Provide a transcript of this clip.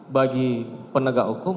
bagi penegak hukum